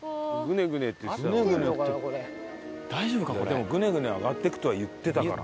でもグネグネ上がっていくとは言ってたからね。